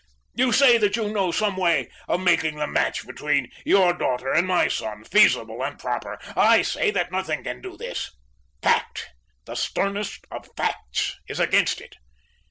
You say that you know some way of making the match between your daughter and my son feasible and proper. I say that nothing can do this. Fact the sternest of facts is against it.